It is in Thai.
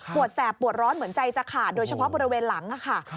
แสบปวดร้อนเหมือนใจจะขาดโดยเฉพาะบริเวณหลังค่ะ